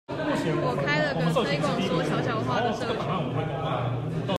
我開了個推廣說悄悄話的社群